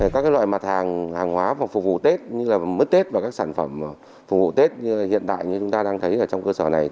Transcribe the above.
các loại mặt hàng hàng hóa phục vụ tết như là mứt tết và các sản phẩm phục vụ tết như hiện tại như chúng ta đang thấy ở trong cơ sở này